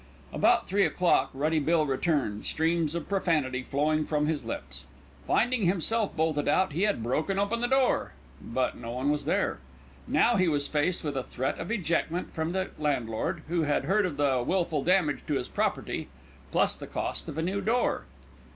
About three o'clock, Ruddy Bill returned, streams of profanity flowing from his lips. Finding himself bolted out, he had broken open the door; but no one was there. Now he was faced with a threat of ejectment from the landlord, who had heard of the wilful damage to his property, plus the cost of a new door.